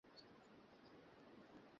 আমি বিনা অপরাধে মরব কেন?